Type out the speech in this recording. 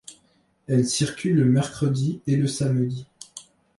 Elles circulent le mercredi et le samedi.